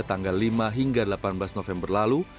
tanggal lima hingga delapan belas november lalu